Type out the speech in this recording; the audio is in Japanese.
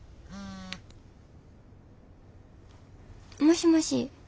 もしもし。